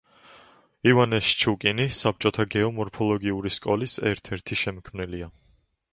ივანე შჩუკინი საბჭოთა გეომორფოლოგიური სკოლის ერთ-ერთი შემქმნელია.